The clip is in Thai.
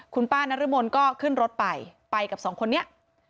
คุณป้านรมนก็ขึ้นรถไปไปกับสองคนนี้